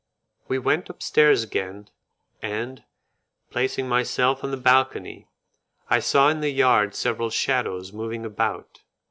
We went upstairs again, and, placing myself on the balcony, I saw in the yard several shadows moving about.